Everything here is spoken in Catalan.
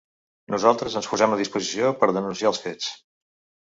Nosaltres ens posem a disposició per denunciar els fets.